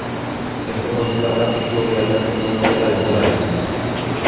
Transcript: Beste kontu bat da pisu hori aldatzen joango dela denborarekin.